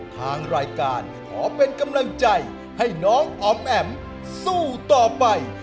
ทางรายการขอเป็นกำลังใจให้น้องอ๋อมแอ๋มสู้ต่อไป